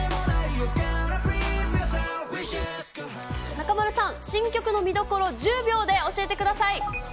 中丸さん、新曲の見どころを１０秒で教えてください。